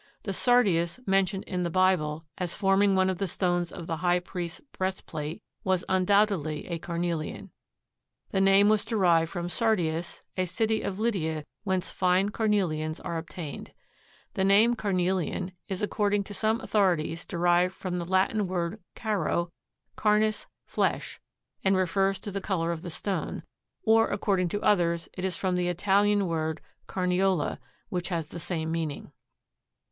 The sardius mentioned in the Bible as forming one of the stones of the High Priest's breastplate was undoubtedly a carnelian. The name was derived from Sardius, a city of Lydia whence fine carnelians are obtained. The name carnelian is according to some authorities derived from the Latin word caro, carnis, flesh, and refers to the color of the stone, or according to others it is from the Italian word carniola which has the same meaning.